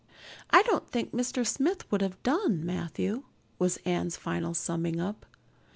"I don't think Mr. Smith would have done, Matthew" was Anne's final summing up.